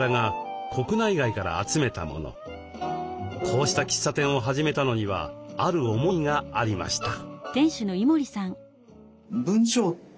こうした喫茶店を始めたのにはある思いがありました。